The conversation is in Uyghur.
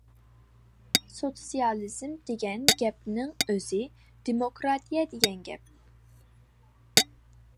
سوتسىيالىزم دېگەن گەپنىڭ ئۆزى دېموكراتىيە دېگەن گەپ.